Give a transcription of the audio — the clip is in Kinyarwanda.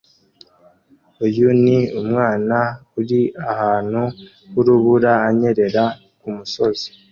Uyu ni umwana uri ahantu h'urubura anyerera kumusozi